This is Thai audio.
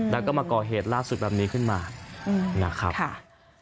แล้วก็มาก่อเหตุล่าสุดแบบนี้ขึ้นมานะครับค่ะ